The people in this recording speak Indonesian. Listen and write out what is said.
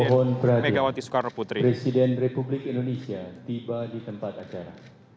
mohon perhatikan presiden republik indonesia tiba di tempat acara